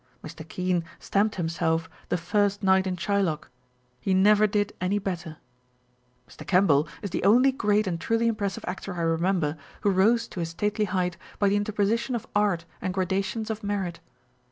Mr. Kean stamped himself the first night in Shylock ; he never did any better. Mr. Kemble is the only great and truly impressive actor I remember, who rose to his stately 430 On Novelty and Familiarity. height by the interposition of art and gradations of merit.